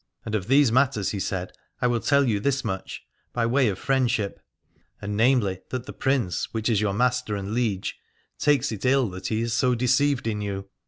And of these matters, he said, I will tell you this much, by way of friendship : and namely, that the Prince, which is your master and liege, takes it ill that he is so deceived in you.